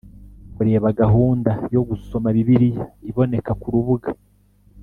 Kureba gahunda yo gusoma bibiliya iboneka ku rubuga